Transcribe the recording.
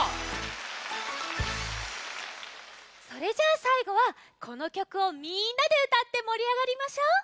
それじゃあさいごはこのきょくをみんなでうたってもりあがりましょう！